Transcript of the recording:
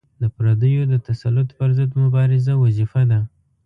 د پردیو د تسلط پر ضد مبارزه وظیفه ده.